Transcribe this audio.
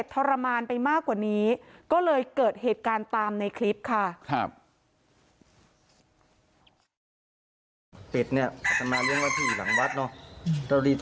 บอกว่าไม่อยากให้เป็ดมันทรมานถ่ายคลิปเอาไว้